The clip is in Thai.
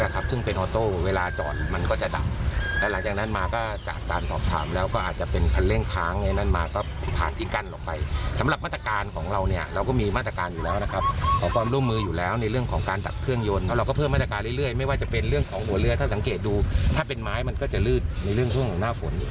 ความร่วมมืออยู่แล้วในเรื่องของการตัดเครื่องยนต์เราก็เพิ่มมาตรการเรื่อยไม่ว่าจะเป็นเรื่องของหัวเรือถ้าสังเกตดูถ้าเป็นไม้มันก็จะลืดในเรื่องของหน้าฝน